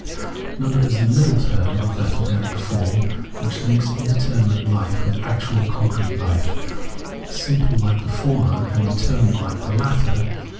Number is the middle term of the organic form, which hnks indeterminate life with actual concrete life, simple Uke the former, and determinate like the latter.